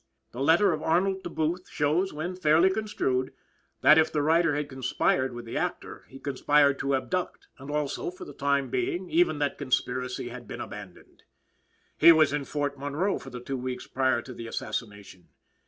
The letter of Arnold to Booth shows, when fairly construed, that, if the writer had conspired with the actor, he conspired to abduct; and, also, for the time being, even that conspiracy he had abandoned. He was at Fort Monroe for the two weeks prior to the assassination.